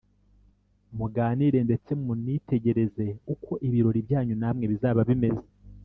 muganire ndetse munitegereze uko ibirori byanyu namwe bizaba bimeze